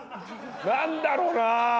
何だろな？